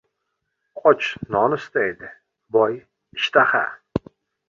• Och non istaydi, boy — ishtaha.